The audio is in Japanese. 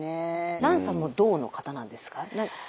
蘭さんも「動」の方なんですか？